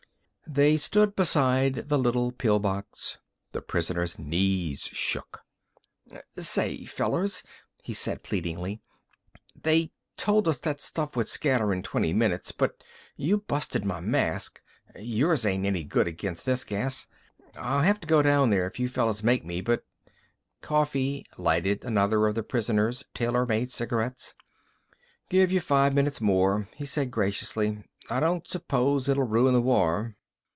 They stood beside the little pill box. The prisoner's knees shook. "Say, fellers," he said pleadingly, "they told us that stuff would scatter in twenty minutes, but you busted my mask. Yours ain't any good against this gas. I'll have to go down in there if you fellers make me, but—" Coffee lighted another of the prisoner's tailor made cigarettes. "Give you five minutes more," he said graciously. "I don't suppose it'll ruin the war."